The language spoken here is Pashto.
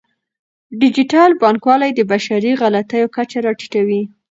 ډیجیټل بانکوالي د بشري غلطیو کچه راټیټوي.